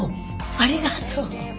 ありがとう。